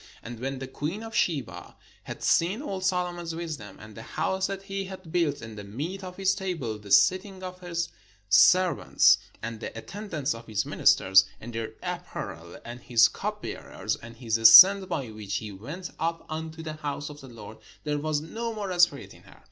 And when the queen of Sheba had seen all Solomon's wisdom, and the house that he had built, and the meat of his table, and the sit ting of his servants, and the attendance of his ministers, and their apparel, and his cupbearers, and his ascent by which he went up unto the house of the Lord; there was no more spirit in her.